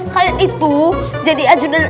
kalian itu jadi ajudan